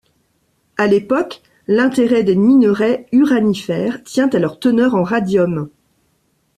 À l'époque, l'intérêt des minerais uranifères tient à leur teneur en radium.